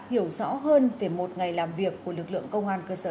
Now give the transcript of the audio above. hiểu rõ hơn về một ngày làm việc của lực lượng công an cơ sở